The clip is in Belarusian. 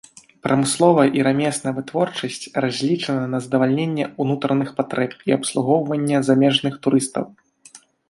Прамысловая і рамесная вытворчасць разлічана на задавальненне ўнутраных патрэб і абслугоўванне замежных турыстаў.